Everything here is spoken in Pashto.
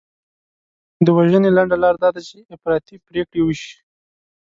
د وژنې لنډه لار دا ده چې افراطي پرېکړې وشي.